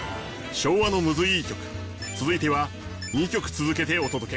昭和のムズいい曲続いては２曲続けてお届け。